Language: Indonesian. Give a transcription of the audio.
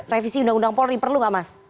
revisi undang undang polri perlu nggak mas